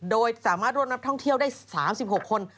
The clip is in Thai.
โดยสามารถร่วมนักท่องเที่ยวได้๓๖คน